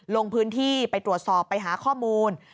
ลงพื้นที่ไปตรวจสอบไปหาข้อมูล